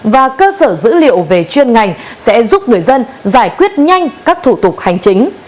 và cơ sở dữ liệu về chuyên ngành sẽ giúp người dân giải quyết nhanh các thủ tục hành chính